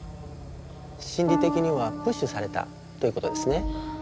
心理的にはプッシュされたということですね。